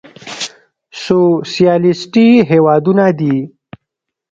سوسيالېسټي هېوادونه دي.